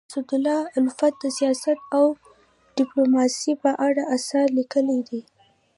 اسدالله الفت د سیاست او ډيپلوماسی په اړه اثار لیکلي دي.